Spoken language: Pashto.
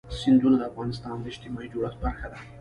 سیندونه د افغانستان د اجتماعي جوړښت برخه ده.